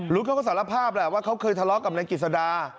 เขาก็สารภาพแหละว่าเขาเคยทะเลาะกับนายกิจสดา